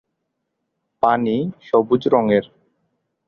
পানি সবুজ রংয়ের।